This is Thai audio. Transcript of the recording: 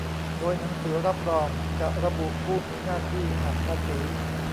โดยหนังสือรับรองจะระบุผู้มีหน้าที่หักภาษี